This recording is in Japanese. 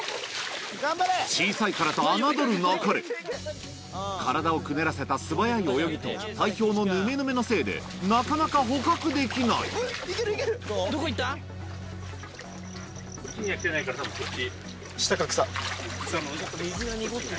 小さいからと侮るなかれ体をくねらせた素早い泳ぎと体表のヌメヌメのせいでなかなか捕獲できないこっちには来てないから多分そっち。